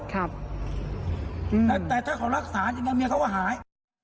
แต่ถ้าเขารักษายังไงเมียเขาก็หาย